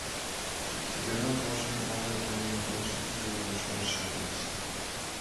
• Tegirmon toshining og‘ir ekanligini bilish uchun tegirmonchi bo‘lish shart emas.